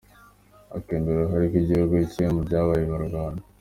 Akemera uruhare rw’igihugu cye mu byabaye mu Rwanda.